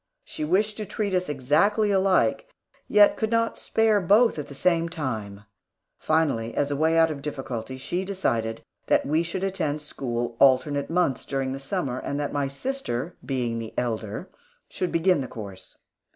She wished to treat us exactly alike, yet could not spare both at the same time. Finally, as a way out of the difficulty, she decided that we should attend school alternate months, during the summer; and that my sister, being the elder, should begin the course.